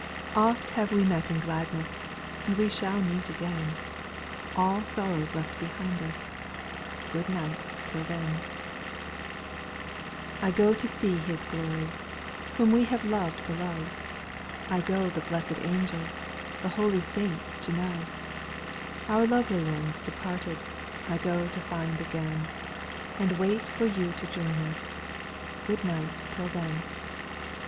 Oft have we met in gladness, And we shall meet again. All sorrows left behind us ;— Good night till then I SPIRITUAL SONGS, 891 4. I go to see His glory, Whom we have lov'd below ; I go the blessed angels, The holy saints, to know ; Our lovely ones departed, I go to find again, And wait for you to join us ;— Good night till then I 5.